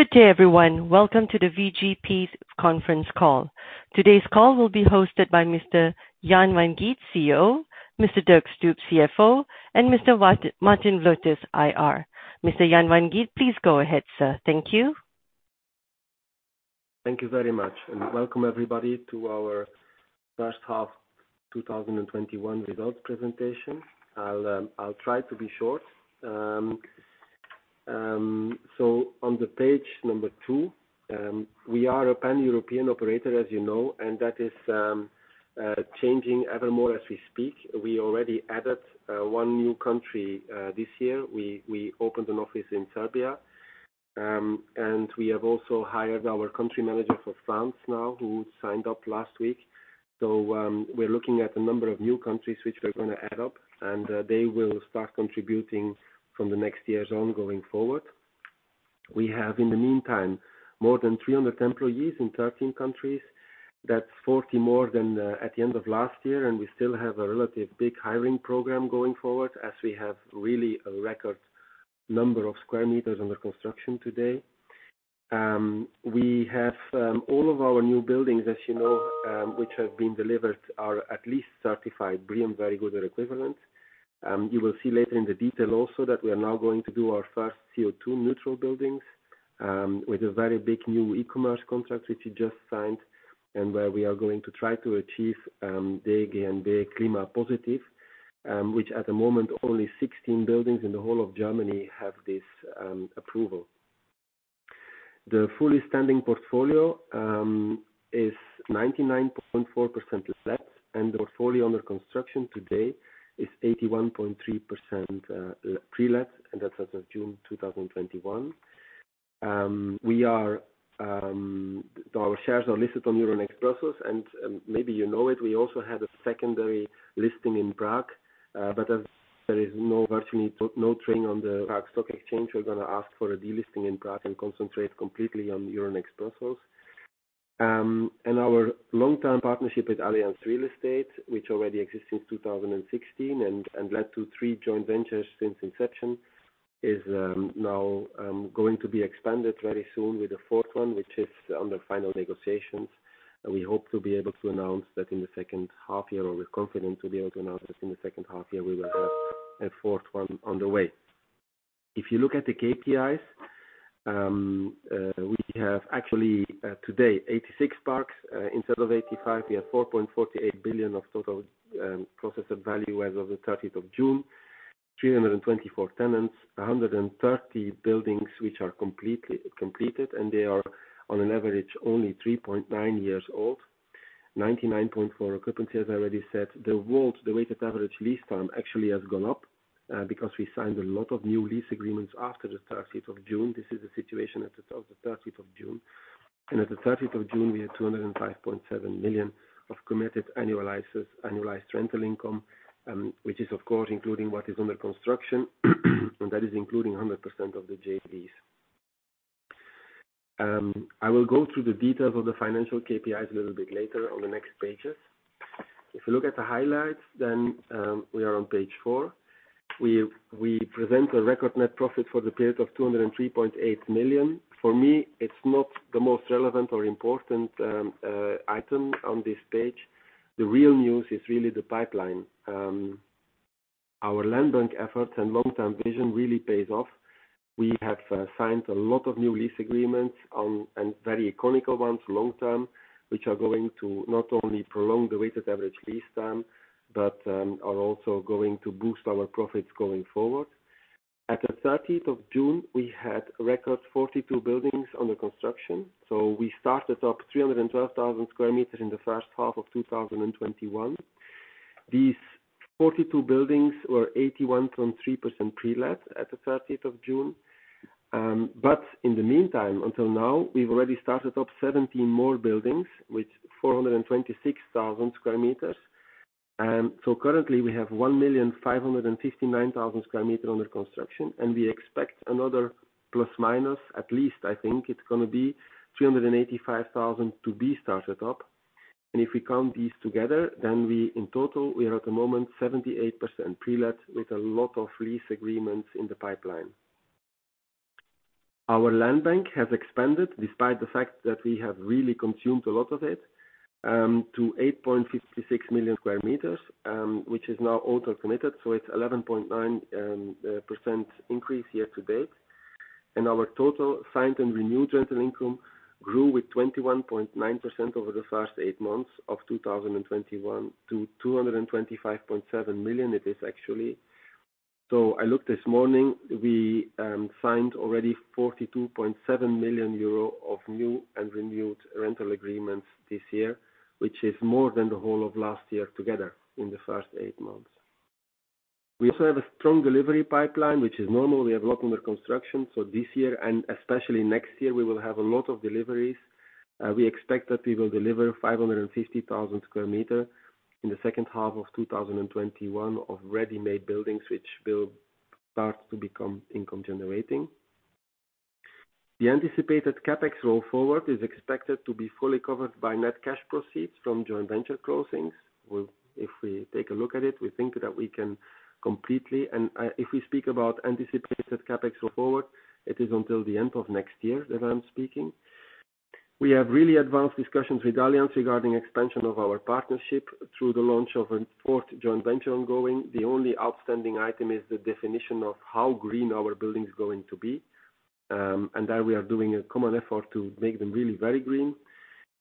Good day everyone. Welcome to the VGP's conference call. Today's call will be hosted by Mr. Jan Van Geet, CEO, Mr. Dirk Stoop, CFO, and Mr. Martijn Vlutters, IR. Mr. Jan Van Geet, please go ahead, sir. Thank you. Thank you very much. Welcome everybody to our first half 2021 results presentation. I'll try to be short. On page number two, we are a pan-European operator, as you know, that is changing evermore as we speak. We already added one new country this year. We opened an office in Serbia. We have also hired our country manager for France now, who signed up last week. We're looking at a number of new countries which we're going to add up. They will start contributing from the next year on going forward. We have, in the meantime, more than 300 employees in 13 countries. That's 40 more than at the end of last year. We still have a relatively big hiring program going forward as we have really a record number of square meters under construction today. All of our new buildings, as you know, which have been delivered, are at least certified BREEAM Very Good or equivalent. You will see later in the detail also that we are now going to do our first CO2 neutral buildings, with a very big new e-commerce contract which we just signed, and where we are going to try to achieve DGNB Klima Positiv which at the moment, only 16 buildings in the whole of Germany have this approval. The fully standing portfolio is 99.4% let, and the portfolio under construction today is 81.3% pre-let, and that's as of June 2021. Our shares are listed on Euronext Brussels, and maybe you know it, we also had a secondary listing in Prague. As there is virtually no trading on the Prague Stock Exchange, we're going to ask for a delisting in Prague and concentrate completely on Euronext Brussels. Our long-term partnership with Allianz Real Estate, which already exists since 2016 and led to three joint ventures since inception, is now going to be expanded very soon with a fourth one, which is under final negotiations. We hope to be able to announce that in the second half year, or we're confident to be able to announce that in the second half year, we will have a fourth one on the way. If you look at the KPIs, we have actually today 86 parks. Instead of 85, we have 4.48 billion of total processed value as of the 30th of June. 324 tenants, 130 buildings which are completely completed, and they are on an average only 3.9 years old. 99.4% occupancy, as I already said. The WALT, the weighted average lease term, actually has gone up, because we signed a lot of new lease agreements after the 30th of June. This is the situation as of the 30th of June. As of 30th of June, we had 205.7 million of committed annualized rental income, which is of course including what is under construction, and that is including 100% of the JVs. I will go through the details of the financial KPIs a little bit later on the next pages. If you look at the highlights, then we are on page four. We present a record net profit for the period of 203.8 million. For me, it's not the most relevant or important item on this page. The real news is really the pipeline. Our land bank efforts and long-term vision really pays off. We have signed a lot of new lease agreements, and very economical ones, long-term, which are going to not only prolong the weighted average lease term, but are also going to boost our profits going forward. At the 30th of June, we had a record 42 buildings under construction. We started up 312,000 sq m in the first half of 2021. These 42 buildings were 81.3% pre-let at the 30th of June. In the meantime, until now, we've already started up 17 more buildings, with 426,000 sq m. Currently, we have 1,559,000 sq m under construction, and we expect another plus/minus, at least I think it's going to be 385,000 sq m to be started up. If we count these together, then in total, we are at the moment 78% pre-let with a lot of lease agreements in the pipeline. Our land bank has expanded, despite the fact that we have really consumed a lot of it, to 8.56 million sq m, which is now also committed. It's 11.9% increase year-to-date. Our total signed and renewed rental income grew with 21.9% over the first eight months of 2021 to 225.7 million, it is actually. I looked this morning. We signed already 42.7 million euro of new and renewed rental agreements this year, which is more than the whole of last year together in the first eight months. We also have a strong delivery pipeline, which is normal. We have a lot under construction. This year and especially next year, we will have a lot of deliveries. We expect that we will deliver 550,000 sq m in the second half of 2021 of ready-made buildings, which will start to become income generating. The anticipated CapEx roll forward is expected to be fully covered by net cash proceeds from joint venture closings. We take a look at it, we think that we can completely, and if we speak about anticipated CapEx roll forward, it is until the end of next year that I'm speaking. We have really advanced discussions with Allianz regarding expansion of our partnership through the launch of a fourth joint venture ongoing. The only outstanding item is the definition of how green our building is going to be. There we are doing a common effort to make them really very green.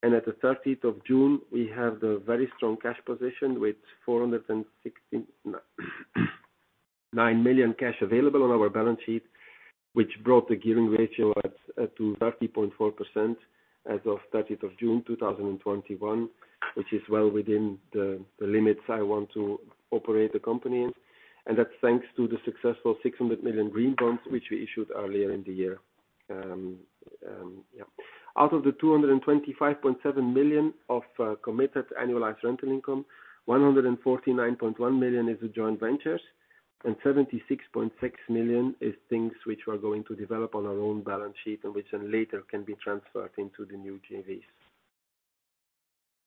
At the 30th of June, we have the very strong cash position with 469 million cash available on our balance sheet, which brought the gearing ratio to 30.4% as of 30th of June 2021, which is well within the limits I want to operate the company in. That's thanks to the successful 600 million green bonds which we issued earlier in the year. Out of the 225.7 million of committed annualized rental income, 149.1 million is the joint ventures and 76.6 million is things which we're going to develop on our own balance sheet and which then later can be transferred into the new JVs.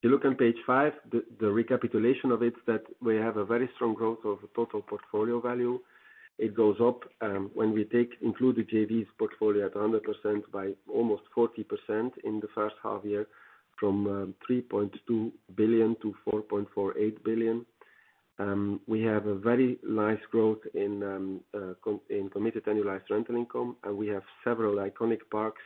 If you look on page five, the recapitulation of it, that we have a very strong growth of total portfolio value. It goes up, when we include the JVs portfolio at 100% by almost 40% in the first half year from 3.2 billion to 4.48 billion. We have a very nice growth in committed annualized rental income. We have several iconic parks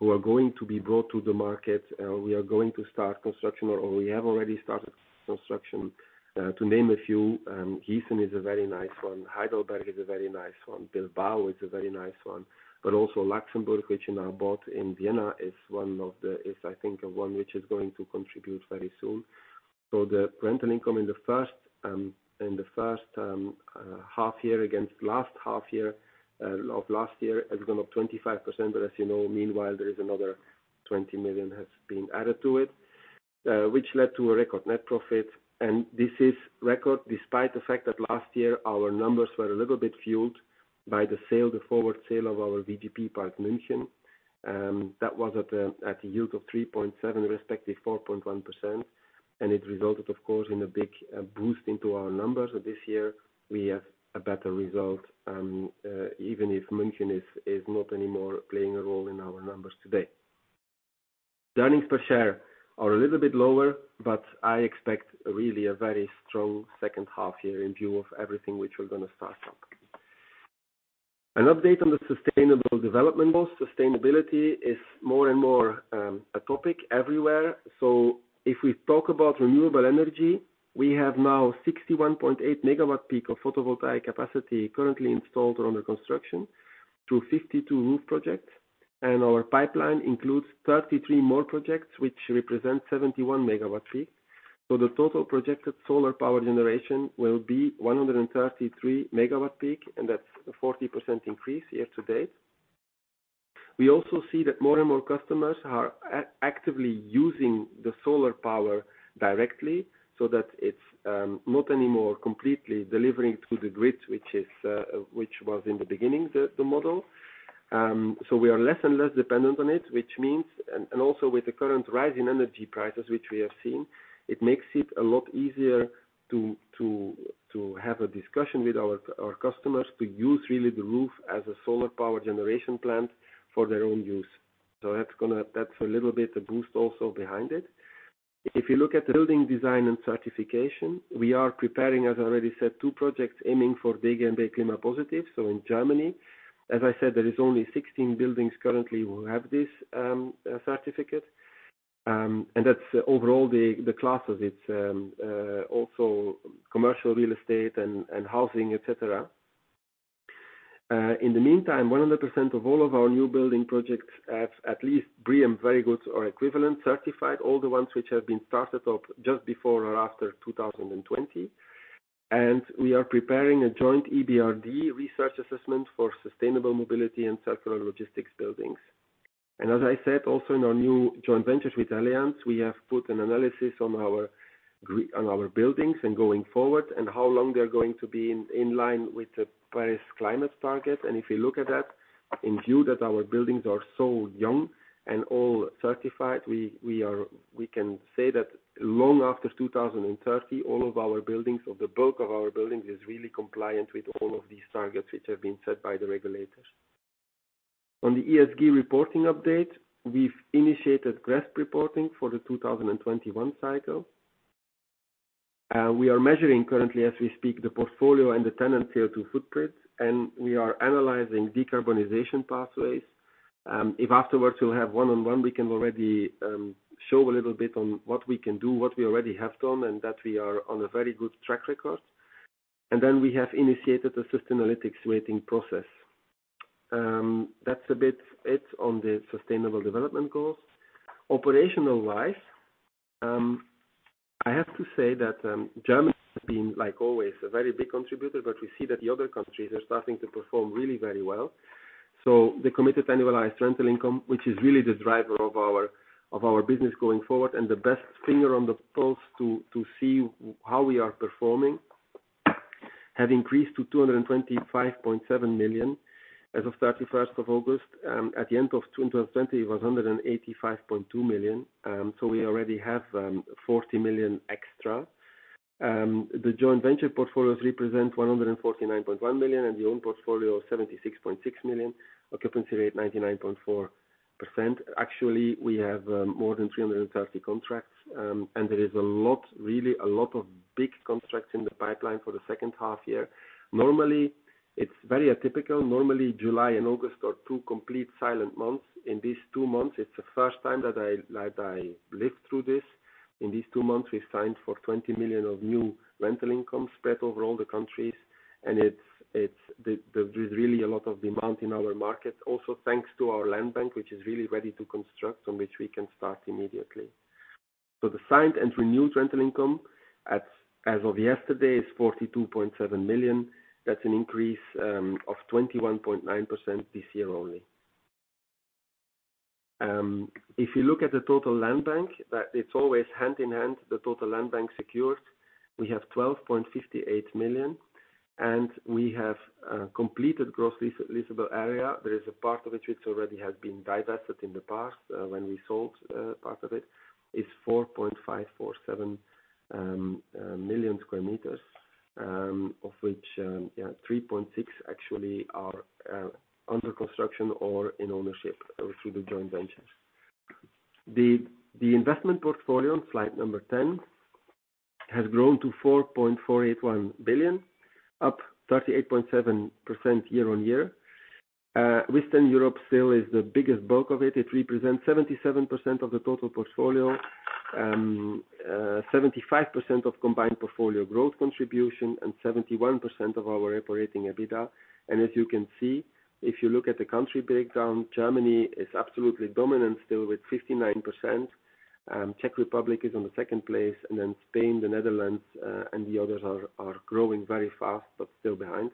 who are going to be brought to the market. We are going to start construction, or we have already started construction. To name a few, Gießen is a very nice one. Heidelberg is a very nice one. Bilbao is a very nice one, also Laxenburg, which we now bought in Vienna, is I think, one which is going to contribute very soon. The rental income in the first half year against last half year of last year has gone up 25%. As you know, meanwhile, there is another 20 million has been added to it, which led to a record net profit. This is record despite the fact that last year our numbers were a little bit fueled by the forward sale of our VGP Park München. That was at a yield of 3.7%, respective 4.1%, and it resulted, of course, in a big boost into our numbers. This year we have a better result, even if München is not anymore playing a role in our numbers today. Earnings per share are a little bit lower, but I expect really a very strong second half year in view of everything which we're going to start up. An update on the sustainable development goals. Sustainability is more and more a topic everywhere. If we talk about renewable energy, we have now 61.8 MW peak of photovoltaic capacity currently installed or under construction through 52 roof projects. Our pipeline includes 33 more projects, which represent 71 MW peak. The total projected solar power generation will be 133 MW peak, and that's a 40% increase year-to-date. We also see that more and more customers are actively using the solar power directly so that it's not anymore completely delivering to the grid, which was in the beginning the model. We are less and less dependent on it. Also with the current rise in energy prices, which we have seen, it makes it a lot easier to have a discussion with our customers to use really the roof as a solar power generation plant for their own use. That's a little bit a boost also behind it. If you look at building design and certification, we are preparing, as I already said, two projects aiming for DGNB Klima Positiv. In Germany, as I said, there is only 16 buildings currently who have this certificate. That's overall the class of it, also commercial real estate and housing, et cetera. In the meantime, 100% of all of our new building projects have at least BREEAM very good or equivalent certified, all the ones which have been started up just before or after 2020. We are preparing a joint EBRD research assessment for sustainable mobility and circular logistics buildings. As I said, also in our new joint ventures with Allianz, we have put an analysis on our buildings and going forward and how long they are going to be in line with the Paris climate target. If you look at that, in view that our buildings are so young and all certified, we can say that long after 2030, all of our buildings or the bulk of our buildings is really compliant with all of these targets which have been set by the regulators. On the ESG reporting update, we've initiated GRESB reporting for the 2021 cycle. We are measuring currently as we speak, the portfolio and the tenant CO2 footprint, and we are analyzing decarbonization pathways. If afterwards we'll have one-on-one, we can already show a little bit on what we can do, what we already have done, and that we are on a very good track record. We have initiated a Sustainalytics rating process. That's a bit it on the sustainable development goals. Operational-wise, I have to say that Germany has been, like always, a very big contributor, but we see that the other countries are starting to perform really very well. The committed annualized rental income, which is really the driver of our business going forward and the best finger on the pulse to see how we are performing, have increased to 225.7 million as of 31st of August. At the end of 2020, it was 185.2 million. We already have 40 million extra. The joint venture portfolios represent 149.1 million and the own portfolio 76.6 million, occupancy rate 99.4%. We have more than 330 contracts. There is really a lot of big contracts in the pipeline for the second half year. Normally, it's very atypical. Normally, July and August are two complete silent months. In these two months, it's the first time that I lived through this. In these two months, we signed for 20 million of new rental income spread over all the countries, and there's really a lot of demand in our market. Thanks to our land bank, which is really ready to construct, on which we can start immediately. The signed and renewed rental income, as of yesterday, is 42.7 million. That's an increase of 21.9% this year only. If you look at the total land bank, it's always hand in hand, the total land bank secured. We have 12.58 million sq m and we have completed gross leasable area. There is a part of it which already has been divested in the past. When we sold part of it, is 4.547 million sq m, of which 3.6 million sq m actually are under construction or in ownership through the joint ventures. The investment portfolio, slide number 10, has grown to 4.481 billion, up 38.7% year-on-year. Western Europe still is the biggest bulk of it. It represents 77% of the total portfolio, 75% of combined portfolio growth contribution, and 71% of our operating EBITDA. As you can see, if you look at the country breakdown, Germany is absolutely dominant still with 59%. Czech Republic is on the second place. Spain, the Netherlands, and the others are growing very fast, but still behind.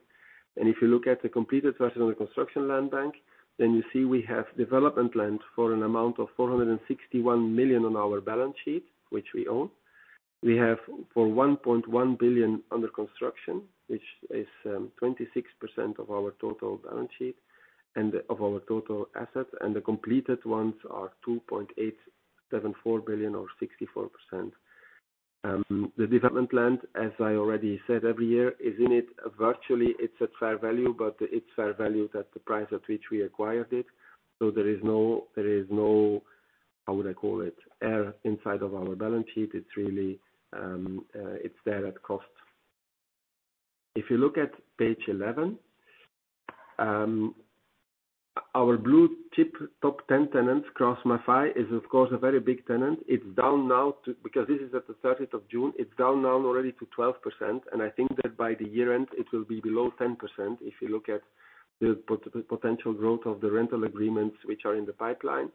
If you look at the completed version of the construction land bank, you see we have development land for an amount of 461 million on our balance sheet, which we own. We have for 1.1 billion under construction, which is 26% of our total balance sheet and of our total assets. The completed ones are 2.874 billion or 64%. The development land, as I already said, every year, is in it. Virtually, it's at fair value, but it's fair value that the price at which we acquired it. There is no, how would I call it, error inside of our balance sheet. It's there at cost. If you look at page 11, our blue-chip top 10 tenants, KraussMaffei, is of course a very big tenant. This is at the 30th of June, it's down now already to 12%. I think that by the year-end, it will be below 10% if you look at the potential growth of the rental agreements which are in the pipeline.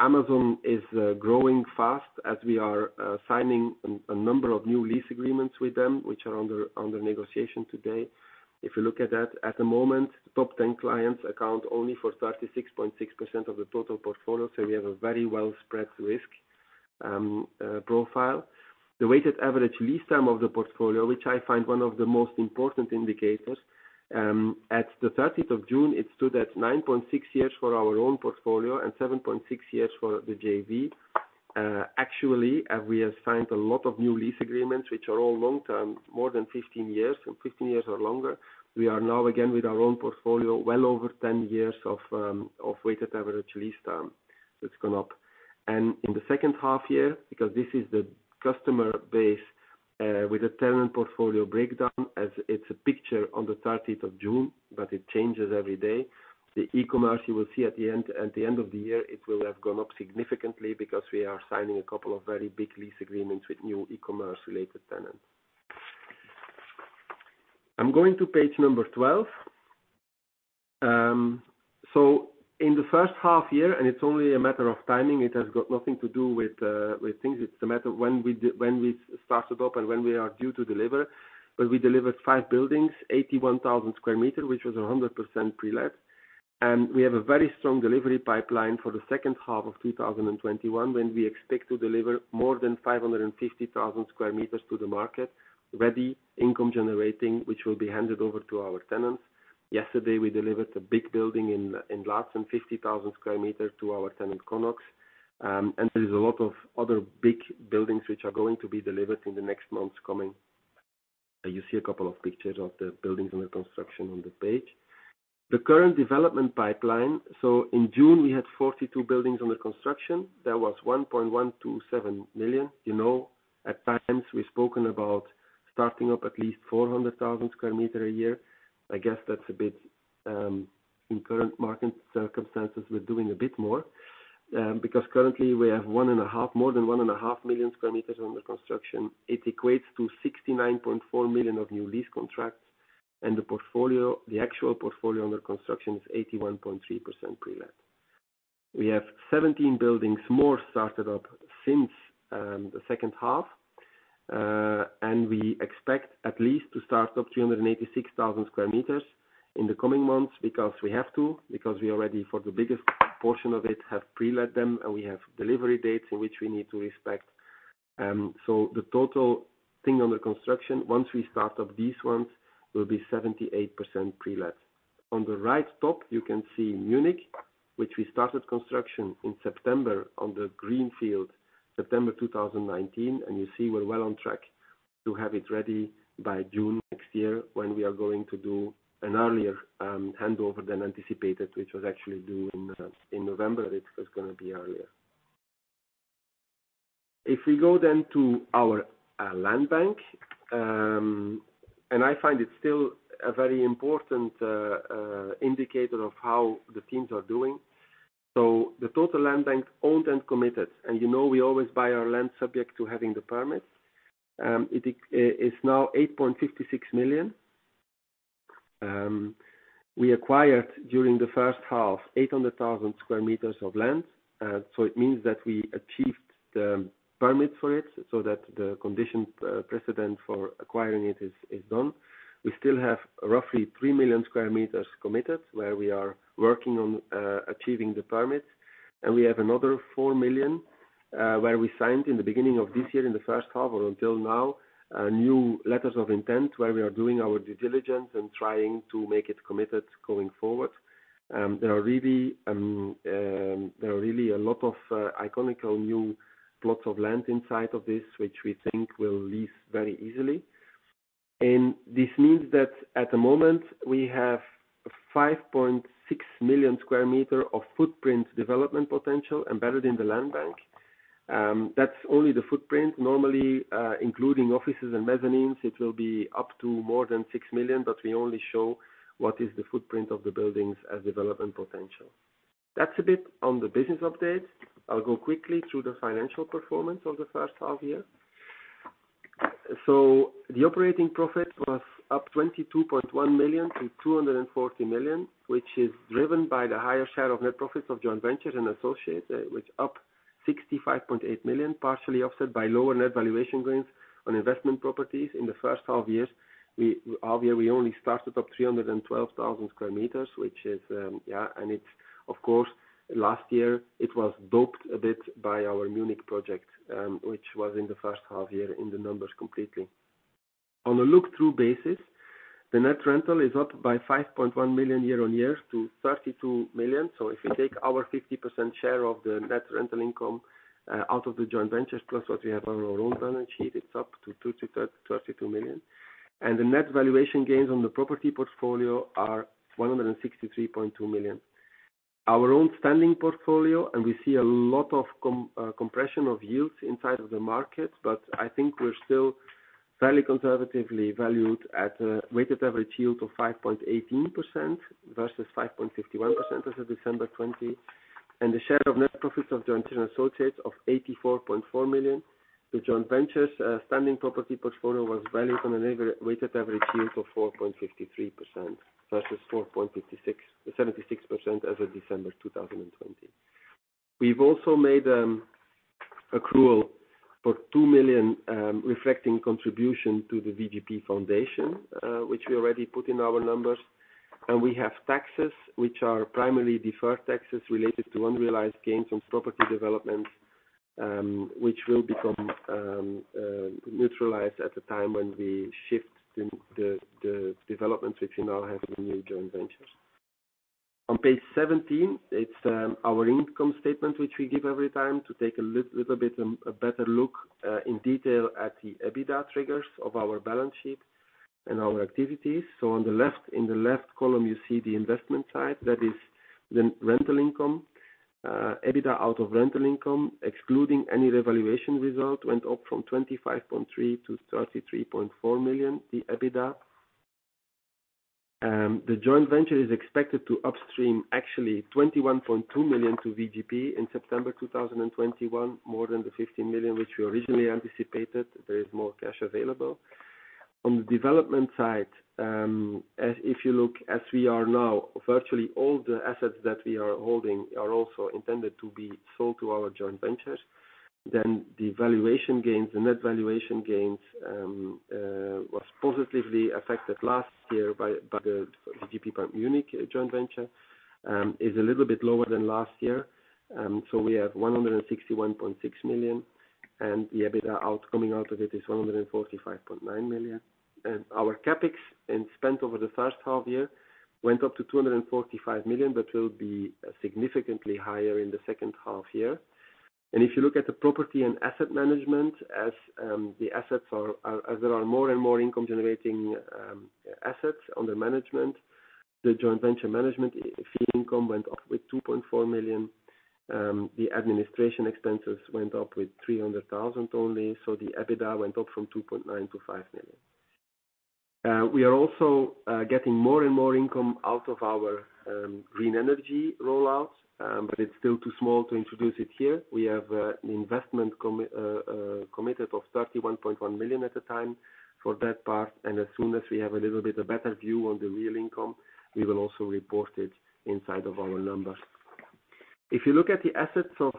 Amazon is growing fast as we are signing a number of new lease agreements with them, which are under negotiation today. If you look at that, at the moment, top 10 clients account only for 36.6% of the total portfolio. We have a very well-spread risk profile. The weighted average lease term of the portfolio, which I find one of the most important indicators. At the 30th of June, it stood at 9.6 years for our own portfolio and 7.6 years for the JV. Actually, we have signed a lot of new lease agreements, which are all long-term, more than 15 years, so 15 years or longer. We are now again with our own portfolio, well over 10 years of weighted average lease term. It's gone up. In the second half year, because this is the customer base with a tenant portfolio breakdown as it's a picture on the 30th of June, but it changes every day. The e-commerce you will see at the end of the year, it will have gone up significantly because we are signing a couple of very big lease agreements with new e-commerce related tenants. I'm going to page number 12. In the first half year, and it's only a matter of timing, it has got nothing to do with things. It's a matter of when we started up and when we are due to deliver. We delivered 5 buildings, 81,000 sq m, which was 100% pre-let. We have a very strong delivery pipeline for the second half of 2021, when we expect to deliver more than 550,000 sq m to the market, ready, income generating, which will be handed over to our tenants. Yesterday, we delivered a big building in Glasgow, 50,000 sq m, to our tenant, Connox. There is a lot of other big buildings which are going to be delivered in the next months coming. You see a couple of pictures of the buildings under construction on the page. The current development pipeline. In June, we had 42 buildings under construction. That was 1.127 million sq m. At times we've spoken about starting up at least 400,000 sq m a year. I guess that's a bit, in current market circumstances, we're doing a bit more. Currently we have more than 1.5 million sq m under construction. It equates to 69.4 million of new lease contracts. The actual portfolio under construction is 81.3% pre-let. We have 17 buildings more started up since the second half. We expect at least to start up 386,000 sq m in the coming months because we already, for the biggest portion of it, have pre-let them, and we have delivery dates which we need to respect. The total thing under construction. Once we start up these ones, we'll be 78% pre-let. On the right top, you can see Munich, which we started construction in September on the green field, September 2019, and you see we are well on track to have it ready by June next year when we are going to do an earlier handover than anticipated, which was actually due in November. It was going to be earlier. If we go then to our land bank. I find it still a very important indicator of how the teams are doing. The total land bank owned and committed. You know we always buy our land subject to having the permits. It is now 8.56 million sq m. We acquired during the first half, 800,000 sq m of land. It means that we achieved the permits for it so that the condition precedent for acquiring it is done. We still have roughly 3 million sq m committed, where we are working on achieving the permits. We have another 4 million sq m, where we signed in the beginning of this year, in the first half or until now, new letters of intent, where we are doing our due diligence and trying to make it committed going forward. There are really a lot of iconic new plots of land inside of this, which we think will lease very easily. This means that at the moment, we have 5.6 million sq m of footprint development potential embedded in the land bank. That's only the footprint. Normally, including offices and mezzanines, it will be up to more than 6 million sq m, but we only show what is the footprint of the buildings as development potential. That's a bit on the business update. I'll go quickly through the financial performance of the first half year. The operating profit was up 22.1 million-240 million, which is driven by the higher share of net profits of joint ventures and associates, which up 65.8 million, partially offset by lower net valuation gains on investment properties in the first half year. We only started up 312,000 sq m, and of course, last year it was doped a bit by our Munich project, which was in the first half year in the numbers completely. On a look-through basis, the net rental is up by 5.1 million year-on-year to 32 million. If you take our 50% share of the net rental income out of the joint ventures plus what we have on our own balance sheet, it's up to 32 million. The net valuation gains on the property portfolio are 163.2 million. Our own standing portfolio, we see a lot of compression of yields inside of the market, but I think we're still fairly conservatively valued at a weighted average yield of 5.18% versus 5.51% as of December 2020. The share of net profits of joints and associates of 84.4 million. The joint venture's standing property portfolio was valued on a weighted average yield of 4.53% versus 4.76% as of December 2020. We've also made accrual for 2 million, reflecting contribution to the VGP Foundation, which we already put in our numbers. We have taxes, which are primarily deferred taxes related to unrealized gains on property developments, which will become neutralized at the time when we shift the development, which in our hands in new joint ventures. On page 17, it's our income statement, which we give every time to take a little bit a better look in detail at the EBITDA triggers of our balance sheet and our activities. On the left, in the left column, you see the investment side. That is the rental income. EBITDA out of rental income, excluding any revaluation result, went up from 25.3 million-33.4 million, the EBITDA. The joint venture is expected to upstream actually 21.2 million to VGP in September 2021, more than the 15 million which we originally anticipated. There is more cash available. On the development side, if you look as we are now, virtually all the assets that we are holding are also intended to be sold to our joint ventures. The valuation gains, the net valuation gains, was positively affected last year by the VGP Park Munich joint venture, is a little bit lower than last year. We have 161.6 million, and the EBITDA coming out of it is 145.9 million. Our CapEx spent over the first half-year went up to 245 million, but will be significantly higher in the second half-year. If you look at the property and asset management, as there are more and more income-generating assets under management, the joint venture management fee income went up with 2.4 million. The administration expenses went up with 300,000 only. The EBITDA went up from 2.9 million-5 million. We are also getting more and more income out of our green energy rollout, but it's still too small to introduce it here. We have an investment committed of 31.1 million at the time for that part, and as soon as we have a little bit of better view on the real income, we will also report it inside of our numbers. If you look at the assets of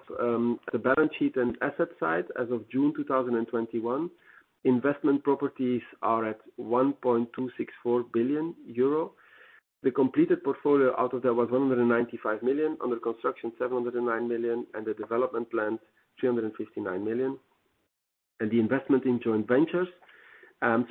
the balance sheet and asset side as of June 2021, investment properties are at 1.264 billion euro. The completed portfolio out of that was 195 million, under construction 709 million, and the development plans 259 million. The investment in joint ventures.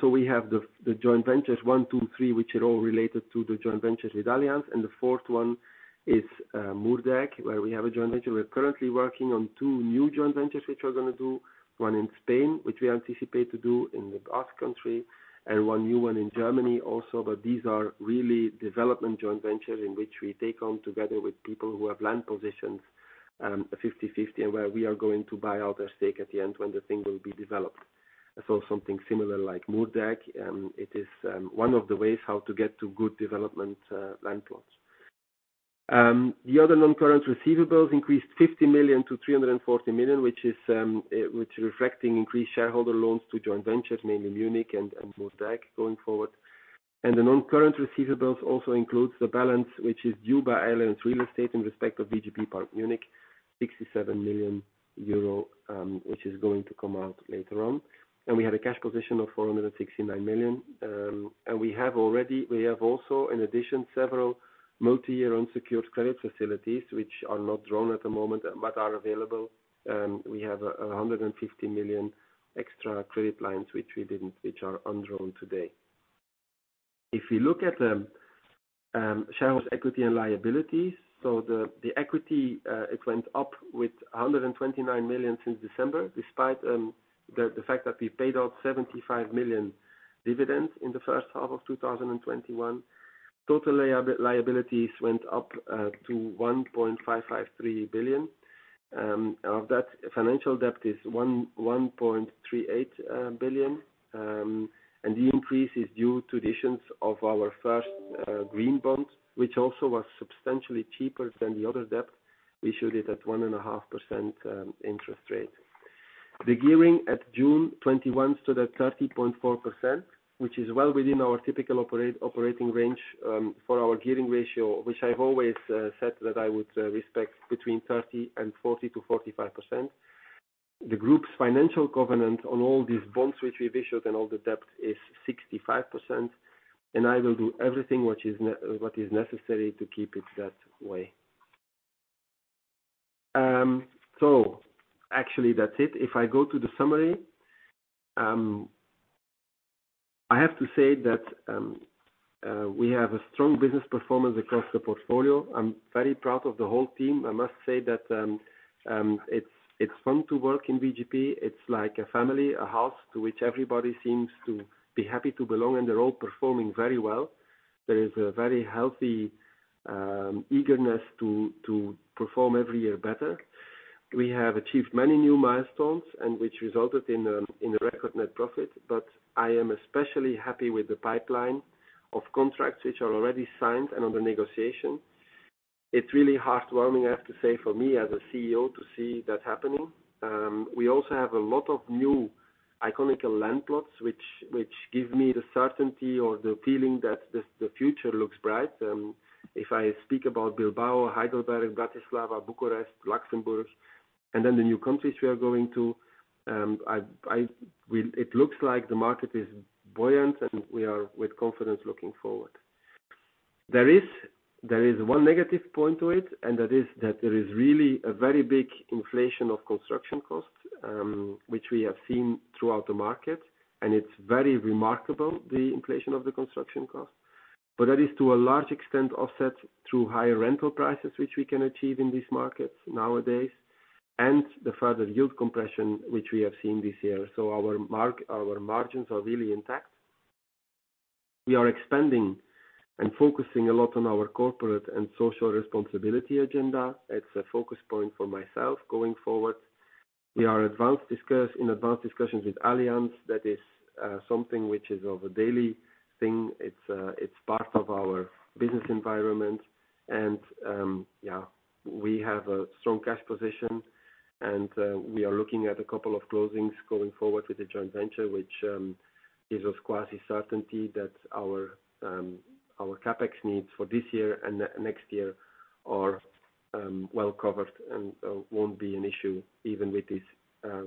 We have the joint ventures, one, two, three, which are all related to the joint ventures with Allianz, and the 4th one is Moerdijk, where we have a joint venture. We are currently working on two new joint ventures, which we are going to do, one in Spain, which we anticipate to do in the Basque Country, and one new one in Germany also. These are really development joint ventures in which we take on together with people who have land positions, 50/50, and where we are going to buy out their stake at the end when the thing will be developed. It is one of the ways how to get to good development land plots. The other non-current receivables increased 50 million to 340 million, which is reflecting increased shareholder loans to joint ventures, mainly Munich and Moerdijk, going forward. The non-current receivables also includes the balance, which is due by Allianz Real Estate in respect of VGP Park Munich, 67 million euro, which is going to come out later on. We have a cash position of 469 million. We have also, in addition, several multi-year unsecured credit facilities which are not drawn at the moment but are available. We have 150 million extra credit lines, which are undrawn today. If you look at shareholders' equity and liabilities. The equity, it went up with 129 million since December, despite the fact that we paid out 75 million dividends in the first half of 2021. Total liabilities went up to 1.553 billion. Of that, financial debt is 1.38 billion. The increase is due to the issuance of our first green bond, which also was substantially cheaper than the other debt. We issued it at 1.5% interest rate. The gearing at June 2021 stood at 30.4%, which is well within our typical operating range for our gearing ratio, which I've always said that I would respect between 30% and 40%-45%. The group's financial covenant on all these bonds which we've issued and all the debt is 65%. I will do everything which is necessary to keep it that way. Actually that's it. If I go to the summary, I have to say that we have a strong business performance across the portfolio. I'm very proud of the whole team. I must say that it's fun to work in VGP. It's like a family, a house to which everybody seems to be happy to belong. They're all performing very well. There is a very healthy eagerness to perform every year better. We have achieved many new milestones which resulted in a record net profit. I am especially happy with the pipeline of contracts which are already signed and under negotiation. It's really heartwarming, I have to say, for me as a CEO to see that happening. We also have a lot of new iconic land plots, which give me the certainty or the feeling that the future looks bright. If I speak about Bilbao, Heidelberg, Bratislava, Bucharest, Luxembourg, and then the new countries we are going to, it looks like the market is buoyant, and we are with confidence looking forward. There is one negative point to it, and that is that there is really a very big inflation of construction costs, which we have seen throughout the market, and it is very remarkable, the inflation of the construction costs. That is to a large extent offset through higher rental prices, which we can achieve in these markets nowadays, and the further yield compression which we have seen this year. Our margins are really intact. We are expanding and focusing a lot on our corporate and social responsibility agenda. It's a focus point for myself going forward. We are in advanced discussions with Allianz. That is something which is of a daily thing. It's part of our business environment. Yeah, we have a strong cash position, and we are looking at a two closings going forward with the joint venture, which gives us quasi certainty that our CapEx needs for this year and next year are well covered and won't be an issue even with this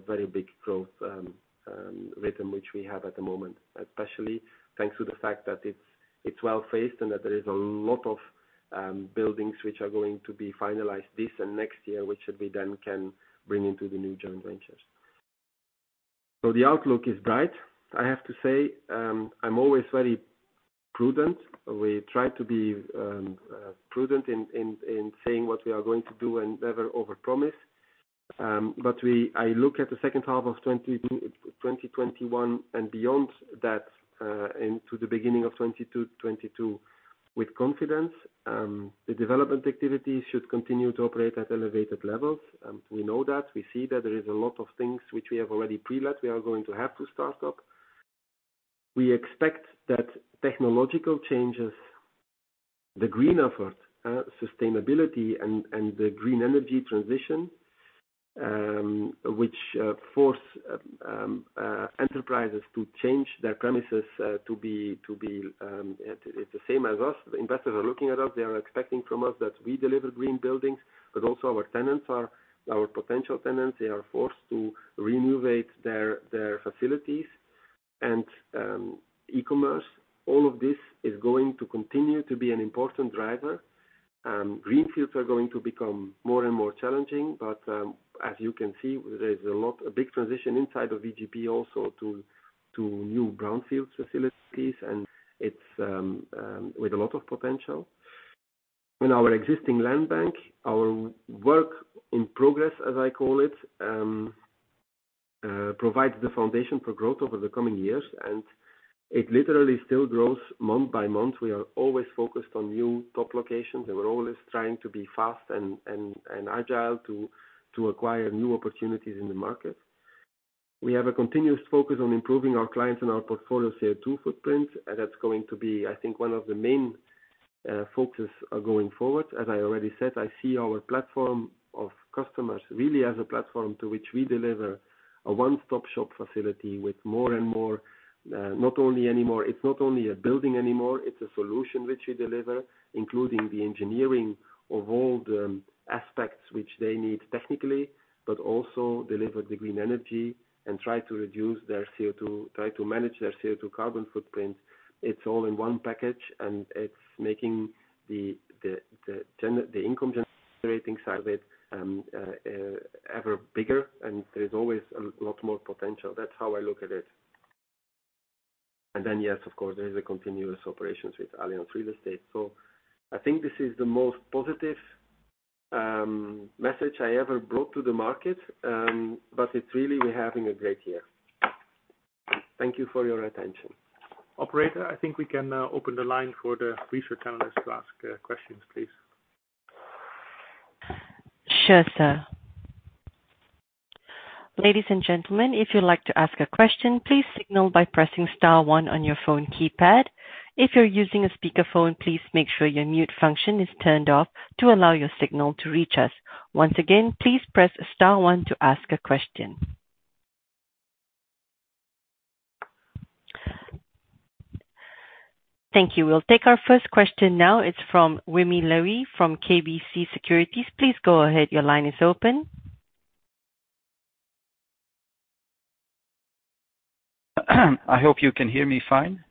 very big growth rhythm which we have at the moment, especially thanks to the fact that it's well-phased and that there is a lot of buildings which are going to be finalized this and next year, which should be done, can bring into the new joint ventures. The outlook is bright. I have to say, I'm always very prudent. We try to be prudent in saying what we are going to do and never overpromise. I look at the second half of 2021 and beyond that into the beginning of 2022 with confidence. The development activity should continue to operate at elevated levels. We know that. We see that. There is a lot of things which we have already pre-let, we are going to have to start up. We expect that technological changes, the green effort, sustainability, and the green energy transition, which force enterprises to change their premises to be the same as us. The investors are looking at us. They are expecting from us that we deliver green buildings, but also our potential tenants, they are forced to renovate their facilities. E-commerce, all of this is going to continue to be an important driver. Greenfields are going to become more and more challenging, but as you can see, there's a big transition inside of VGP also to new brownfield facilities, and it's with a lot of potential. In our existing land bank, our work in progress, as I call it, provides the foundation for growth over the coming years, and it literally still grows month by month. We are always focused on new top locations, and we're always trying to be fast and agile to acquire new opportunities in the market. We have a continuous focus on improving our clients and our portfolio CO2 footprint. That's going to be, I think, one of the main focuses going forward. As I already said, I see our platform of customers really as a platform to which we deliver a one-stop-shop facility with more and more. It is not only a building anymore, it is a solution which we deliver, including the engineering of all the aspects which they need technically, but also deliver the green energy and try to manage their CO2 carbon footprint. It is all in one package, and it is making the income-generating side of it ever bigger, and there is always a lot more potential. That is how I look at it. Then, yes, of course, there is a continuous operations with Allianz Real Estate. So I think this is the most positive message I ever brought to the market, but it is really, we are having a great year. Thank you for your attention. Operator, I think we can open the line for the research analysts to ask questions, please. Sure, sir. Ladies and gentlemen, if you'd like to ask a question, please signal by pressing star one on your phone keypad. If you're using a speakerphone, please make sure your mute function is turned off to allow your signal to reach us. Once again, please press star one to ask a question. Thank you. We'll take our first question now. It's from Wim Lewi from KBC Securities. Please go ahead. Your line is open. I hope you can hear me fine.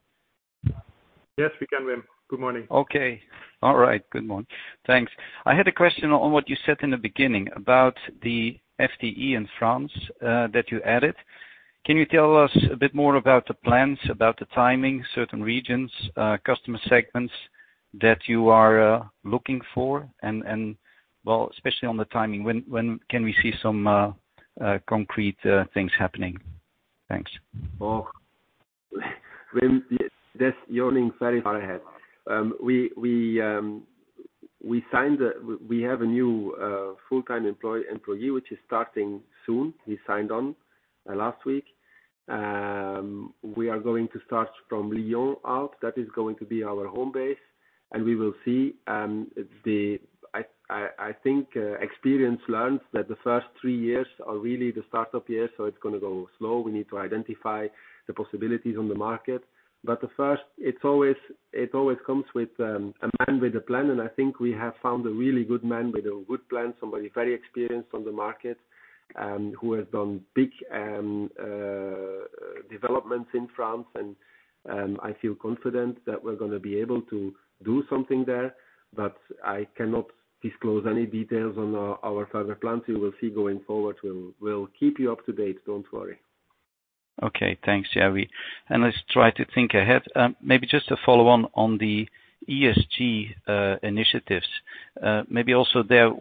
Yes, we can, Wim. Good morning. Okay. All right. Good morning. Thanks. I had a question on what you said in the beginning about the FDE in France that you added. Can you tell us a bit more about the plans, about the timing, certain regions, customer segments that you are looking for? Especially on the timing, when can we see some concrete things happening? Thanks. Wim, yes, you're looking very far ahead. We have a new full-time employee which is starting soon. He signed on last week. We are going to start from Lyon out. That is going to be our home base, and we will see. I think experience learned that the first three years are really the start-up years, so it's going to go slow. We need to identify the possibilities on the market. It always comes with a man with a plan, and I think we have found a really good man with a good plan, somebody very experienced on the market, who has done big developments in France. I feel confident that we're going to be able to do something there, but I cannot disclose any details on our further plans. You will see going forward. We'll keep you up to date. Don't worry. Okay. Thanks, Thierry. Let's try to think ahead. Maybe just to follow on the ESG initiatives. Maybe also there,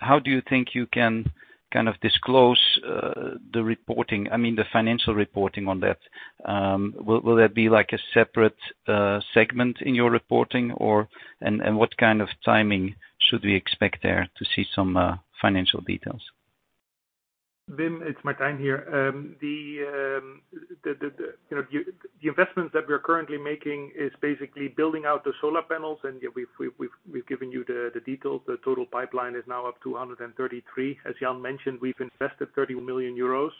how do you think you can disclose the financial reporting on that? Will that be like a separate segment in your reporting? What kind of timing should we expect there to see some financial details? Wim, it's Martijn here. The investments that we're currently making is basically building out the solar panels, and we've given you the details. The total pipeline is now up to 133. As Jan mentioned, we've invested 30 million euros.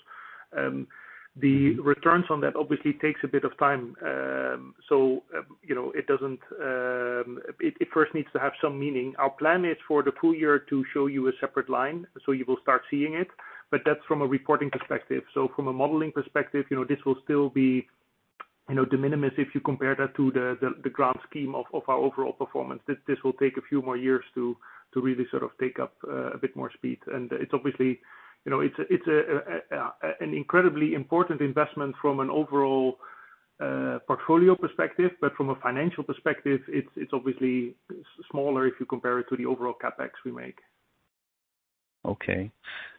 The returns on that obviously takes a bit of time. It first needs to have some meaning. Our plan is for the full year to show you a separate line, so you will start seeing it, but that's from a reporting perspective. From a modeling perspective, this will still be de minimis if you compare that to the grand scheme of our overall performance. This will take a few more years to really sort of take up a bit more speed. It's an incredibly important investment from an overall portfolio perspective. From a financial perspective, it's obviously smaller if you compare it to the overall CapEx we make. Okay.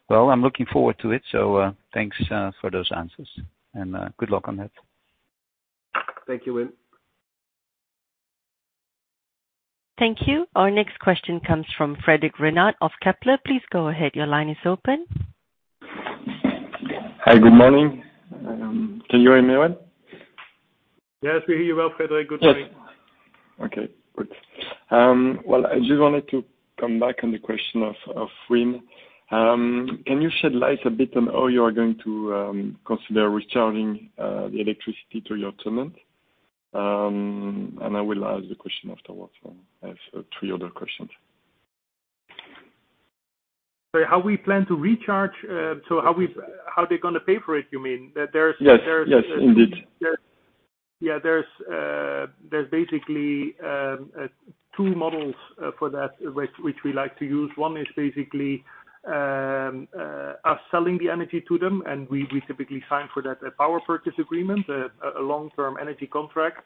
Well, I'm looking forward to it, so thanks for those answers and good luck on that. Thank you, Wim. Thank you. Our next question comes from Frédéric Renard of Kepler. Please go ahead. Hi. Good morning. Can you hear me well? Yes, we hear you well, Frédéric. Good morning. Yes. Okay, good. Well, I just wanted to come back on the question of Wim. Can you shed light a bit on how you are going to consider recharging the electricity to your tenant? I will ask the question afterwards. I have three other questions. Sorry, how we plan to recharge? How they're going to pay for it, you mean? Yes, indeed. Yeah. There's basically two models for that which we like to use. One is basically us selling the energy to them, and we typically sign for that a power purchase agreement, a long-term energy contract,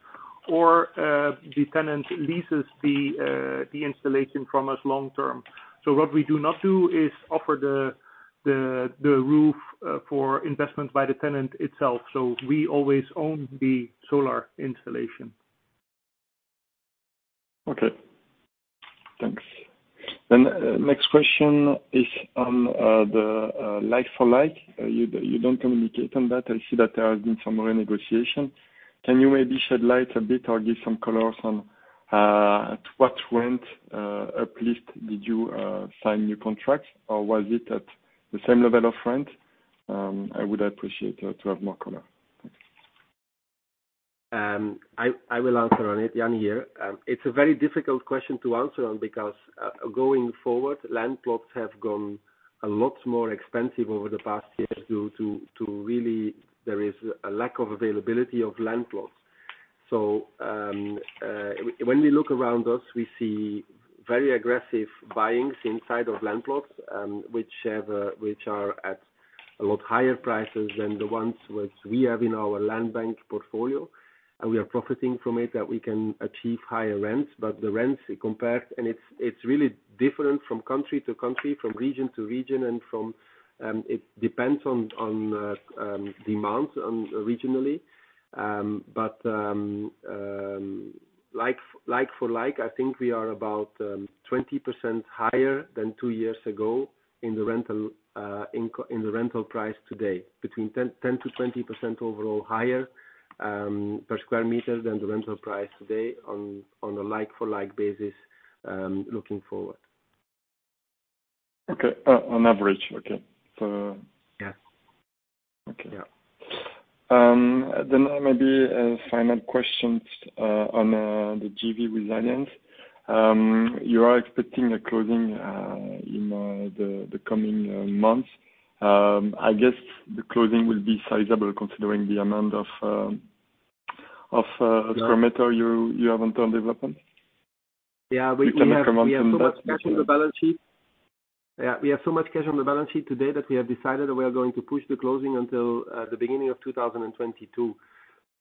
or the tenant leases the installation from us long-term. What we do not do is offer the roof for investment by the tenant itself. We always own the solar installation. Okay, thanks. Next question is on the like-for-like. You don't communicate on that. I see that there has been some renegotiation. Can you maybe shed light a bit or give some color on, at what rent, at least, did you sign new contracts? Or was it at the same level of rent? I would appreciate to have more color. Thanks. I will answer on it. Jan here. It is a very difficult question to answer because going forward, land plots have gone a lot more expensive over the past years due to, really, there is a lack of availability of land plots. When we look around us, we see very aggressive buyings inside of land plots, which are at a lot higher prices than the ones which we have in our land bank portfolio. We are profiting from it, that we can achieve higher rents. The rents compared, it's really different from country to country, from region-to-region, and it depends on demands regionally. Like for like, I think we are about 20% higher than two years ago in the rental price today. Between 10%-20% overall higher per square meters than the rental price today on a like-for-like basis, looking forward. Okay. On average, okay. Yeah. Okay. Maybe a final question on the JV resilience. You are expecting a closing in the coming months. I guess the closing will be sizable considering the amount of perimeter you have on term development. Yeah. You can make a comment on that? We have so much cash on the balance sheet today that we have decided that we are going to push the closing until the beginning of 2022.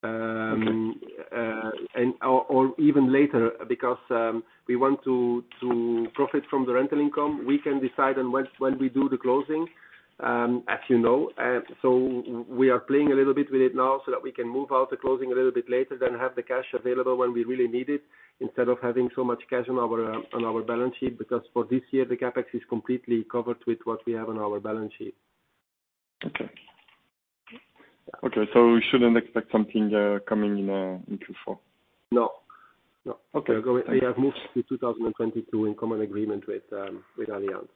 Even later, because, we want to profit from the rental income. We can decide on when we do the closing, as you know. We are playing a little bit with it now so that we can move out the closing a little bit later, then have the cash available when we really need it, instead of having so much cash on our balance sheet, because for this year, the CapEx is completely covered with what we have on our balance sheet. Okay. We shouldn't expect something coming in Q4? No. Okay. We have moved to 2022 in common agreement with Allianz.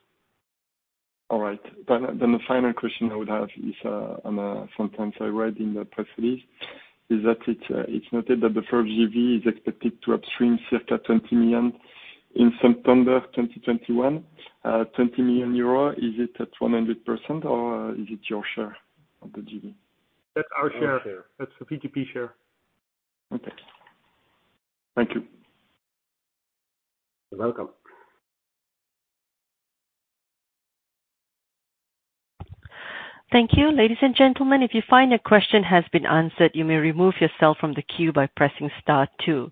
All right. The final question I would have is on a sentence I read in the press release, is that it's noted that the first JV is expected to upstream circa 20 million in September 2021. 20 million euro, is it at 100%, or is it your share of the JV? That's our share. Our share. That's the VGP share. Okay. Thank you. You're welcome. Thank you. Ladies and gentlemen, if you find a question has been answered, you may remove yourself from the queue by pressing star two.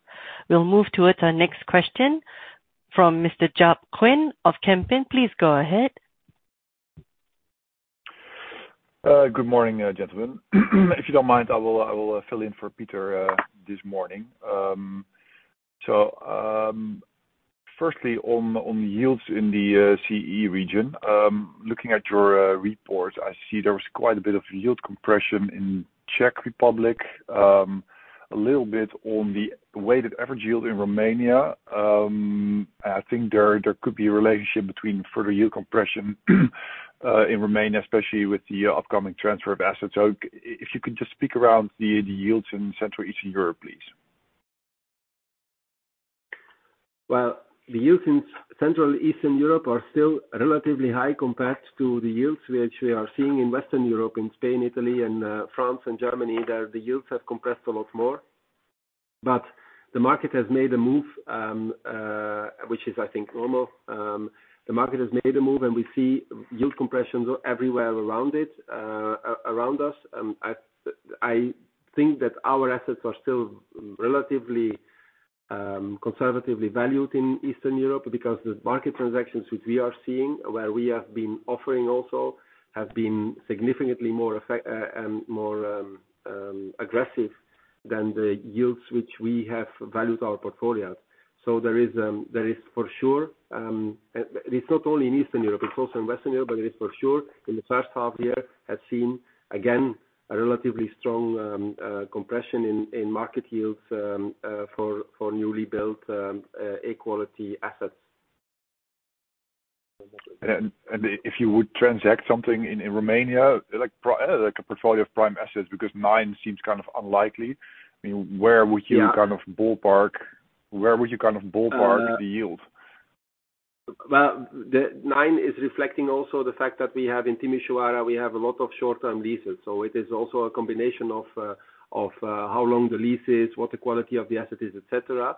We'll move towards our next question from Mr. Jaap Kuin of Kempen. Please go ahead. Good morning, gentlemen. If you don't mind, I will fill in for Peter this morning. Firstly, on yields in the CE region. Looking at your report, I see there was quite a bit of yield compression in Czech Republic, a little bit on the weighted average yield in Romania. I think there could be a relationship between further yield compression in Romania, especially with the upcoming transfer of assets. If you could just speak around the yields in Central Eastern Europe, please. Well, the yields in Central Eastern Europe are still relatively high compared to the yields which we are seeing in Western Europe, in Spain, Italy, and France, and Germany. There, the yields have compressed a lot more. The market has made a move, which is, I think, normal. The market has made a move, and we see yield compressions everywhere around us. I think that our assets are still relatively conservatively valued in Eastern Europe because the market transactions which we are seeing, where we have been offering also, have been significantly more aggressive than the yields which we have valued our portfolios. There is for sure, it's not only in Eastern Europe, it's also in Western Europe, but it is for sure in the first half year has seen, again, a relatively strong compression in market yields for newly built A-quality assets. If you would transact something in Romania, like a portfolio of prime assets, because nine seems kind of unlikely. Where would you? Yeah Ballpark? Where would you ballpark the yield? Well, the nine is reflecting also the fact that we have in Timișoara, we have a lot of short-term leases. It is also a combination of how long the lease is, what the quality of the asset is, et cetera.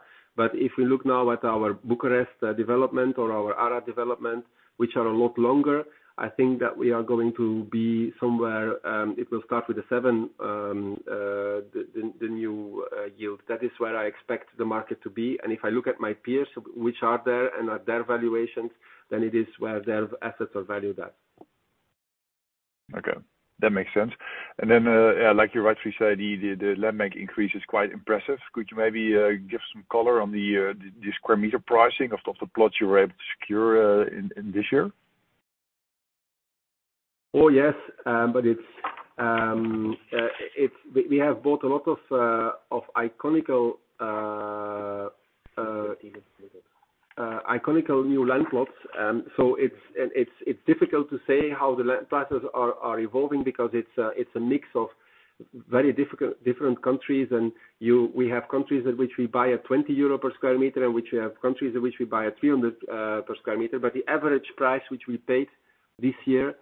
If we look now at our Bucharest development or our Arad development, which are a lot longer, I think that we are going to be somewhere, it will start with a seven, the new yield. That is where I expect the market to be. If I look at my peers which are there and at their valuations, then it is where their assets are valued at. Okay. That makes sense. Like you rightfully said, the landbank increase is quite impressive. Could you maybe give some color on the square meter pricing of the plots you were able to secure in this year? Oh, yes. We have bought a lot of iconic new land plots. It's difficult to say how the land prices are evolving because it's a mix of very different countries. We have countries in which we buy at 20 euro/sq m, and we have countries in which we buy at 300 euro/sq m. The average price which we paid this year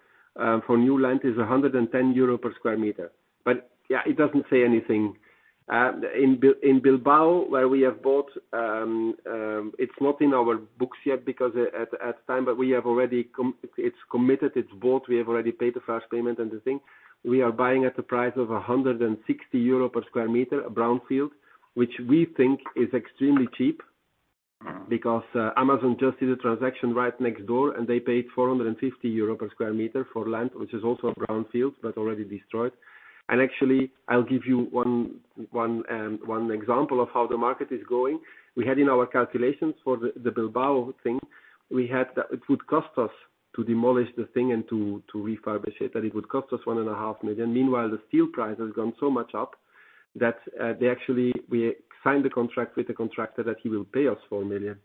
for new land is 110 euro/sq m. It doesn't say anything. In Bilbao, where we have bought, it's not in our books yet, it's committed, it's bought. We have already paid the first payment and the thing. We are buying at the price of 160 euro/sq m, a brownfield, which we think is extremely cheap because Amazon just did a transaction right next door and they paid 450 euro/sq m for land, which is also a brownfield, but already destroyed. Actually, I'll give you one example of how the market is going. We had in our calculations for the Bilbao thing, it would cost us to demolish the thing and to refurbish it, that it would cost us 1.5 million. Meanwhile, the steel price has gone so much up that we signed the contract with the contractor that he will pay us 4 million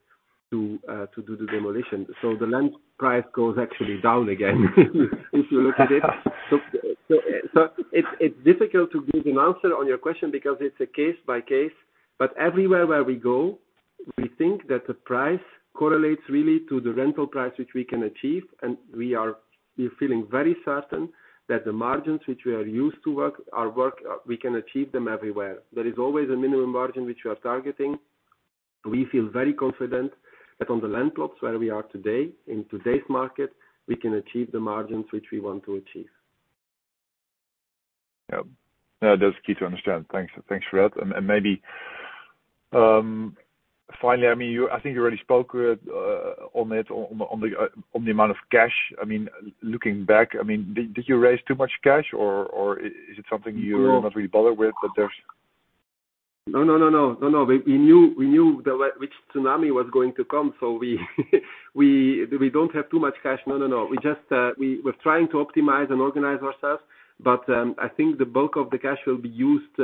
to do the demolition. The land price goes actually down again if you look at it. It's difficult to give an answer on your question because it's a case by case. Everywhere where we go, we think that the price correlates really to the rental price which we can achieve. We are feeling very certain that the margins which we are used to work, we can achieve them everywhere. There is always a minimum margin which we are targeting. We feel very confident that on the land plots where we are today, in today's market, we can achieve the margins which we want to achieve. Yeah. That's key to understand. Thanks for that. Maybe, finally, I think you already spoke on it, on the amount of cash, looking back, did you raise too much cash or is it something you're not really bothered with? We knew which tsunami was going to come. We don't have too much cash. We're trying to optimize and organize ourselves, but I think the bulk of the cash will be used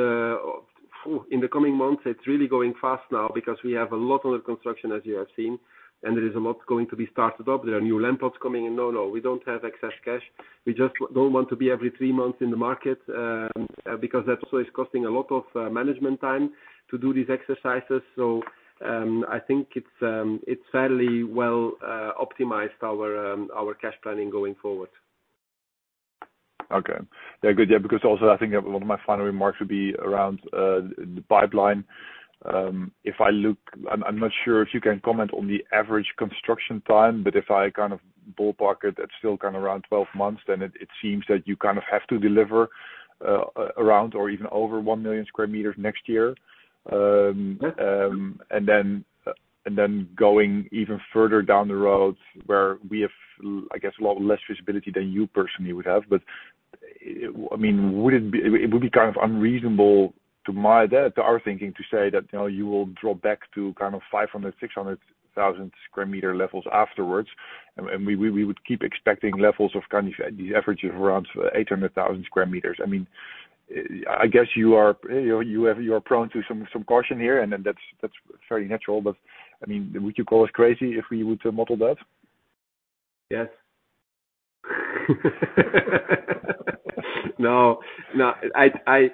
in the coming months. It's really going fast now because we have a lot of construction as you have seen, and there is a lot going to be started up. There are new land plots coming in. We don't have excess cash. We just don't want to be every three months in the market, because that also is costing a lot of management time to do these exercises. I think it's fairly well optimized, our cash planning going forward. Okay. Yeah, good. Also I think one of my final remarks would be around the pipeline. I look, I am not sure if you can comment on the average construction time, but if I ballpark it is still around 12 months, then it seems that you have to deliver around or even over 1 million sq m next year. Yeah. Going even further down the road where we have, I guess, a lot less visibility than you personally would have. It would be kind of unreasonable to our thinking to say that you will drop back to 500,000 sq m-600,000 sq m levels afterwards. We would keep expecting levels of these averages around 800,000 sq m. I guess you are prone to some caution here, and that's very natural. Would you call us crazy if we were to model that? Yes. No, I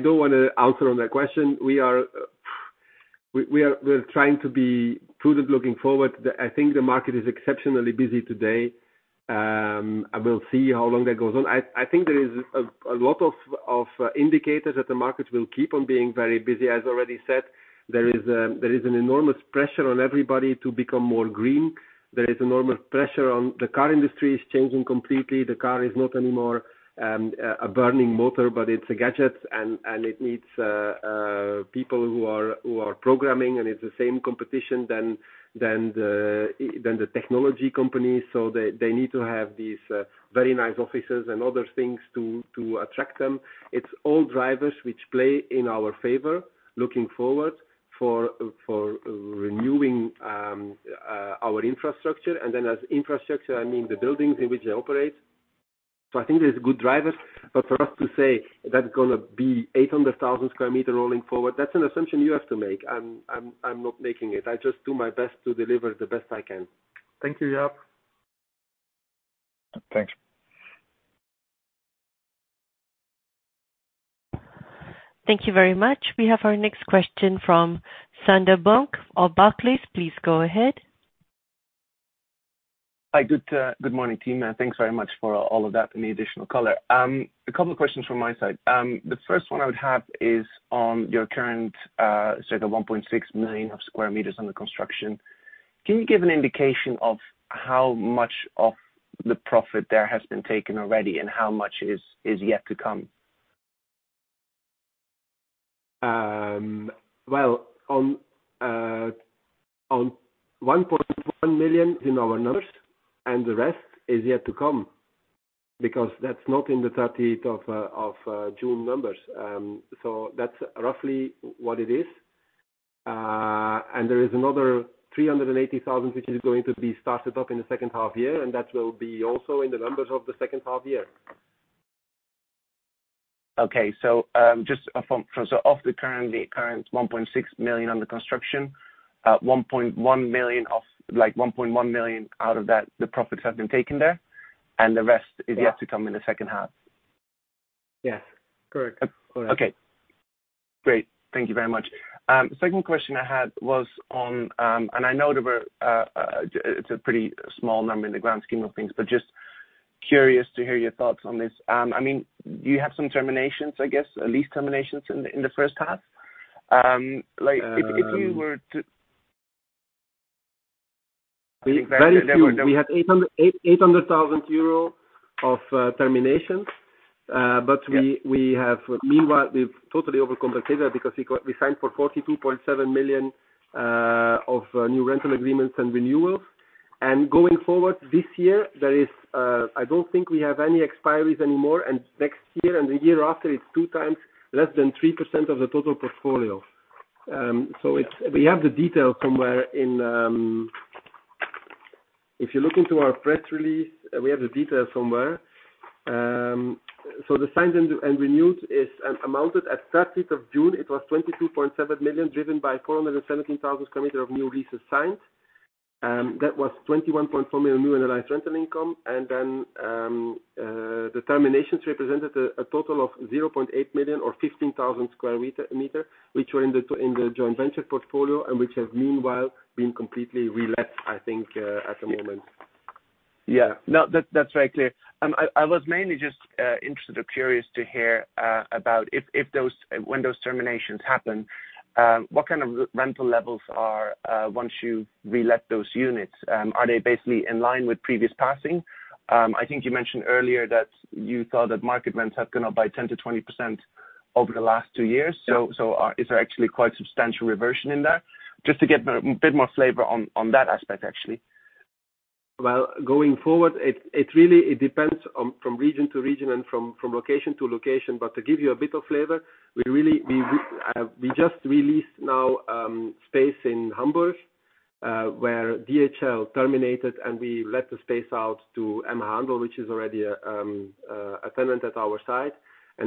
don't want to alter on that question. We're trying to be prudent looking forward. I think the market is exceptionally busy today. I will see how long that goes on. I think there is a lot of indicators that the market will keep on being very busy. As I already said, there is an enormous pressure on everybody to become more green. There is enormous pressure on the car industry, is changing completely. The car is not anymore a burning motor, but it's a gadget and it needs people who are programming, and it's the same competition than the technology companies. They need to have these very nice offices and other things to attract them. It's all drivers which play in our favor looking forward for renewing our infrastructure. As infrastructure, I mean the buildings in which they operate. I think there's good drivers, but for us to say that's going to be 800,000 sq m rolling forward, that's an assumption you have to make. I'm not making it. I just do my best to deliver the best I can. Thank you, Jaap. Thanks. Thank you very much. We have our next question from Sander Bunck of Barclays. Please go ahead. Hi. Good morning, team. Thanks very much for all of that and the additional color. A couple of questions from my side. The first one I would have is on your current, so the 1.6 million sq m under construction. Can you give an indication of how much of the profit there has been taken already, and how much is yet to come? Well, on 1.1 million in our numbers, and the rest is yet to come because that's not in the 30th of June numbers. That's roughly what it is. There is another 380,000, which is going to be started up in the second half year, and that will be also in the numbers of the second half year. Okay. Of the current 1.6 million under construction, like 1.1 million out of that, the profits have been taken there, and the rest is yet to come in the second half. Yes. Correct. Okay, great. Thank you very much. Second question I had was on, I know it's a pretty small number in the grand scheme of things, but just curious to hear your thoughts on this. You have some terminations, I guess, lease terminations in the first half. Very few. We had 800,000 euro of terminations. Meanwhile, we've totally overcompensated because we signed for 42.7 million of new rental agreements and renewals. Going forward this year, I don't think we have any expiries anymore, next year and the year after is 2x less than 3% of the total portfolio. We have the detail somewhere. If you look into our press release, we have the detail somewhere. The signed and renewed is amounted. At 30th of June, it was 22.7 million driven by 417,000 sq m of new leases signed. That was 21.4 million new annualized rental income. Then, the terminations represented a total of 0.8 million or 15,000 sq m, which were in the joint venture portfolio and which have meanwhile been completely re-let, I think, at the moment. Yeah. No, that's very clear. I was mainly just interested or curious to hear about when those terminations happen, what kind of rental levels are once you re-let those units? Are they basically in line with previous passing? I think you mentioned earlier that you thought that market rents have gone up by 10%-20% over the last two years. Yeah. Is there actually quite substantial reversion in there? Just to get a bit more flavor on that aspect, actually. Going forward, it depends from region to region and from location to location. To give you a bit of flavor, we just released now space in Hamburg, where DHL terminated, and we let the space out to M.Handel, which is already a tenant at our site.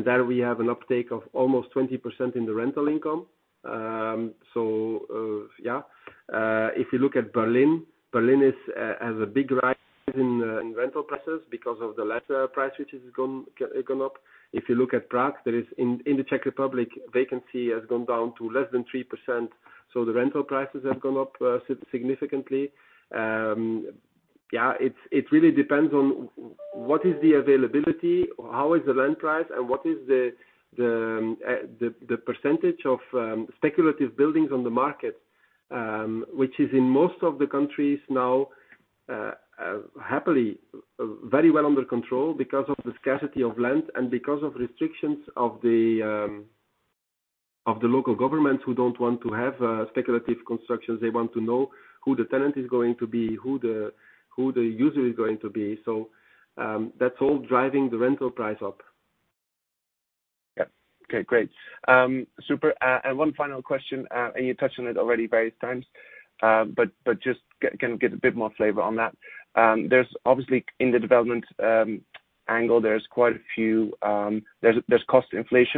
There we have an uptake of almost 20% in the rental income. Yeah. If you look at Berlin has a big rise in rental prices because of the land price which has gone up. If you look at Prague, in the Czech Republic, vacancy has gone down to less than 3%, so the rental prices have gone up significantly. Yeah, it really depends on what is the availability, how is the land price, and what is the percentage of speculative buildings on the market, which is in most of the countries now, happily, very well under control because of the scarcity of land and because of restrictions of the local government who don't want to have speculative constructions. They want to know who the tenant is going to be, who the user is going to be. That's all driving the rental price up. Yeah. Okay, great. Super. One final question, you touched on it already various times, but just can we get a bit more flavor on that? Obviously, in the development angle, there's cost inflation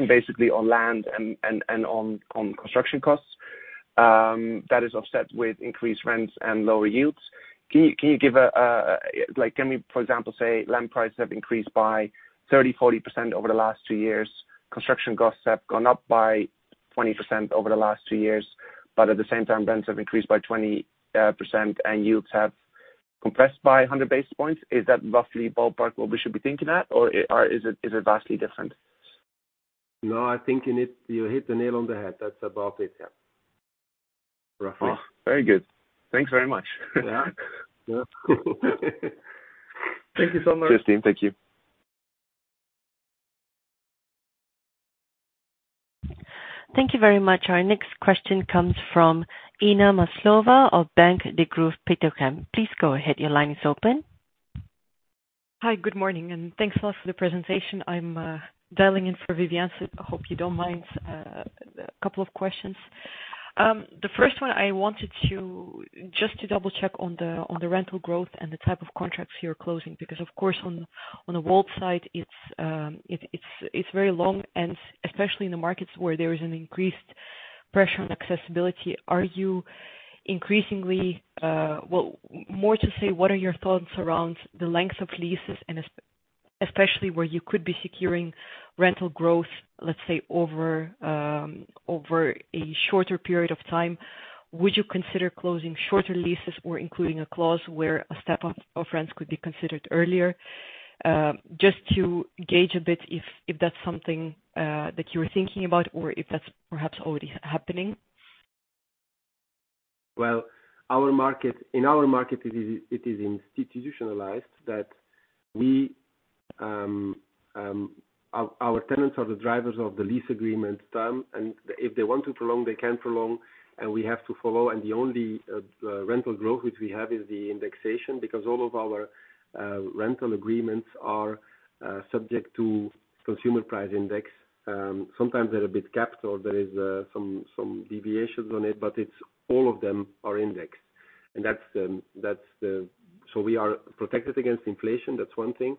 basically on land and on construction costs that is offset with increased rents and lower yields. Can we, for example, say land prices have increased by 30%, 40% over the last two years? Construction costs have gone up by 20% over the last two years. At the same time, rents have increased by 20%, and yields have compressed by 100 basis points. Is that roughly ballpark what we should be thinking at? Or is it vastly different? No, I think you hit the nail on the head. That's about it, yeah. Roughly. Very good. Thanks very much. Yeah. Thank you so much. Cheers, team. Thank you. Thank you very much. Our next question comes from Inna Maslova of Bank Degroof Petercam. Please go ahead. Your line is open. Hi. Good morning, and thanks a lot for the presentation. I'm dialing in for Vivian, so I hope you don't mind. A couple of questions. The first one, I wanted just to double-check on the rental growth and the type of contracts you're closing, because of course, on the WALT side, it's very long, and especially in the markets where there is an increased pressure on accessibility. More to say, what are your thoughts around the length of leases and especially where you could be securing rental growth, let's say over a shorter period of time? Would you consider closing shorter leases or including a clause where a step-up of rents could be considered earlier? Just to gauge a bit if that's something that you were thinking about or if that's perhaps already happening. Well, in our market, it is institutionalized that our tenants are the drivers of the lease agreement term. If they want to prolong, they can prolong. We have to follow. The only rental growth which we have is the indexation, because all of our rental agreements are subject to consumer price index. Sometimes they're a bit capped or there is some deviations on it. All of them are indexed. We are protected against inflation, that's one thing.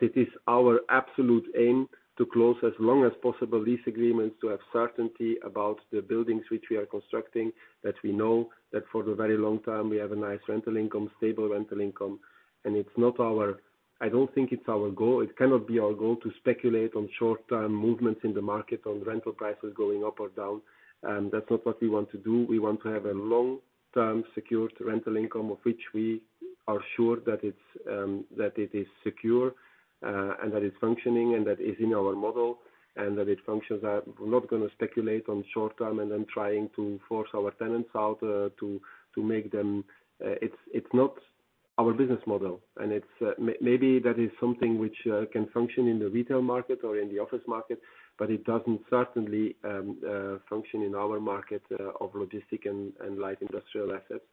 It is our absolute aim to close as long as possible lease agreements to have certainty about the buildings which we are constructing, that we know that for the very long term, we have a nice rental income, stable rental income. I don't think it's our goal. It cannot be our goal to speculate on short-term movements in the market on rental prices going up or down. That's not what we want to do. We want to have a long-term secured rental income of which we are sure that it is secure, and that is functioning, and that is in our model, and that it functions. We're not going to speculate on short-term and then trying to force our tenants out. It's not our business model. Maybe that is something which can function in the retail market or in the office market, but it doesn't certainly function in our market of logistics and light industrial assets.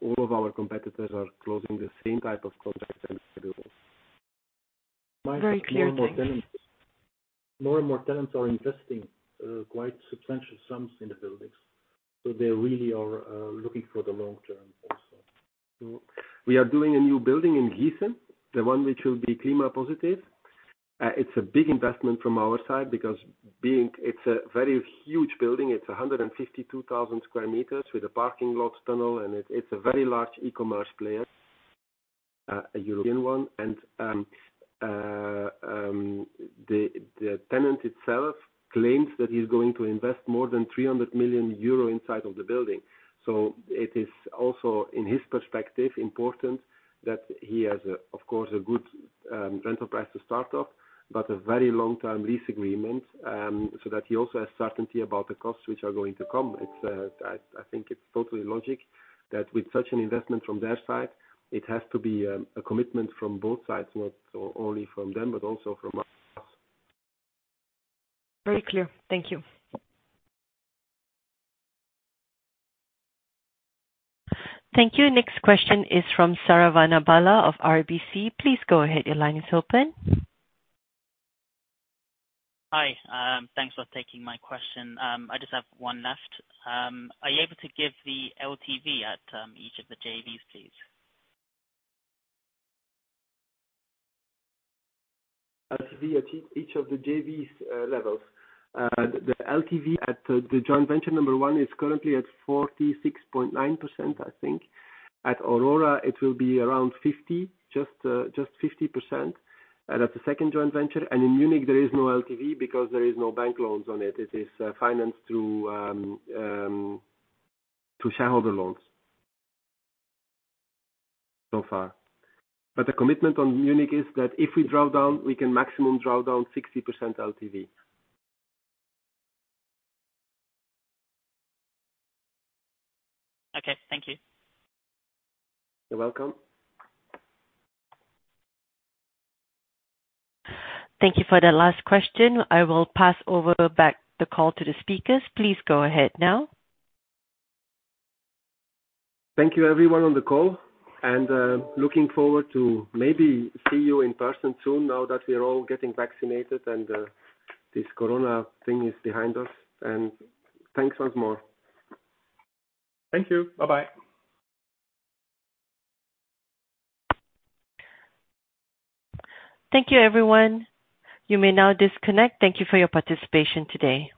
All of our competitors are closing the same type of contracts as we do. Very clear. Thanks. More and more tenants are investing quite substantial sums in the buildings, so they really are looking for the long-term also. We are doing a new building in Giessen, the one which will be climate positive. It's a big investment from our side because it's a very huge building. It's 152,000 sq m with a parking lot tunnel, and it's a very large e-commerce player, a European one. The tenant itself claims that he's going to invest more than 300 million euro inside of the building. It is also, in his perspective, important that he has, of course, a good rental price to start off, but a very long-term lease agreement, so that he also has certainty about the costs which are going to come. I think it's totally logical that with such an investment from their side, it has to be a commitment from both sides, not only from them, but also from us. Very clear. Thank you. Thank you. Next question is from Saravana Bala of RBC. Please go ahead. Your line is open. Hi. Thanks for taking my question. I just have one left. Are you able to give the LTV at each of the JVs, please? LTV at each of the JVs levels? The LTV at the joint venture number one is currently at 46.9%, I think. At Aurora, it will be just 50% at the second joint venture. In Munich, there is no LTV because there is no bank loans on it. It is financed through shareholder loans so far. The commitment on Munich is that if we draw down, we can maximum draw down 60% LTV. Okay. Thank you. You're welcome. Thank you for that last question. I will pass over back the call to the speakers. Please go ahead now. Thank you everyone on the call, looking forward to maybe see you in person soon now that we are all getting vaccinated and this corona thing is behind us. Thanks once more. Thank you. Bye-bye. Thank you, everyone. You may now disconnect. Thank you for your participation today.